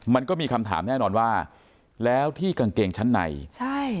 มันก็มีคำถามแน่นอนว่าแล้วที่กางเกงชั้นในใช่